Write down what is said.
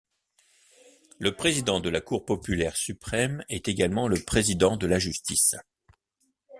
Le président de la Cour populaire suprême est également le président de la justice.